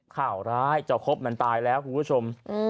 ข่าวร้ายเจ้าครบมันตายแล้วคุณผู้ชม